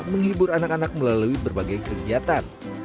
menghibur anak anak melalui berbagai kegiatan